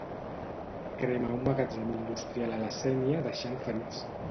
Crema un magatzem industrial a la Sénia deixant ferits.